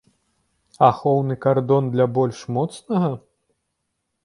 Ахоўны кардон для больш моцнага?